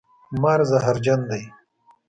مار زهرجن دی